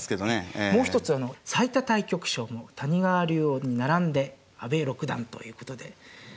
もう一つ最多対局賞も谷川竜王に並んで阿部六段ということで。